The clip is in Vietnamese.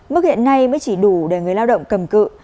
mức hiện nay mới chỉ đủ để người lao động cầm cự